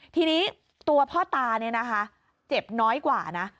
ทีนี้ตัวพ่อตาเนี่ยนะคะเจ็บน้อยกว่านะ